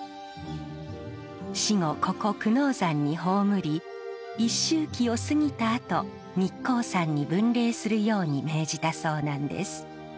死後ここ久能山に葬り一周忌を過ぎたあと日光山に分霊するように命じたそうなんです。